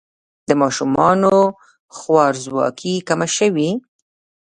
د ماشومانو خوارځواکي کمه شوې؟